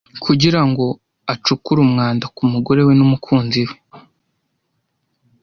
kugira ngo acukure umwanda ku mugore we n'umukunzi we.